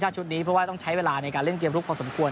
เพราะว่าเราต้องใช้เวลาในการเล่นเกมรุกพอสมควร